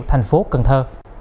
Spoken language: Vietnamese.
thành phố cần thơ